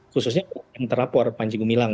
khususnya yang terlapor panji gumilang